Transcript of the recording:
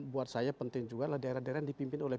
buat saya penting juga adalah daerah daerah yang dipimpin oleh